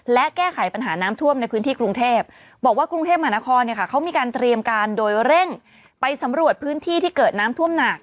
และแก้ไขปัญหาน้ำท่วมในพื้นที่กรุงเทพบอกว่ากรุงเทพมหานครเขามีการเตรียมการโดยเร่งไปสำรวจพื้นที่ที่เกิดน้ำท่วมหนัก